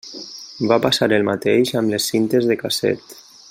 Va passar el mateix amb les cintes de casset.